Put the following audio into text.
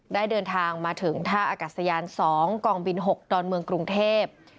ได้เดินทางมาถึงท่าอากาศยาน๒กองบิน๖ดอนเมืองกรุงเทพ